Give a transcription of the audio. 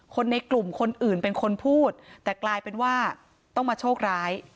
คนในกลุ่มคนอื่นเป็นคนพูดแต่กลายเป็นว่าต้องมาโชคร้าย